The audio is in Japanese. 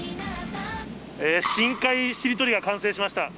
深海しりとりが完成しました。